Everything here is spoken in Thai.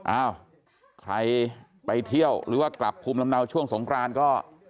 อ้าวใครไปเที่ยวหรือว่ากลับภูมิลำเนาช่วงสงครานก็